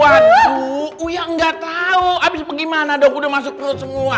waduh uya nggak tahu abis gimana dong udah masuk semua